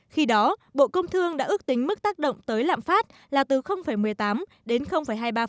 khi đó bộ công thương đã ước tính mức tác động tới lạm phát là từ một mươi tám đến hai mươi ba